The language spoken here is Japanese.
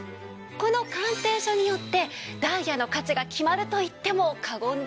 この鑑定書によってダイヤの価値が決まるといっても過言ではないんです。